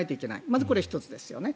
まずこれが１つですよね。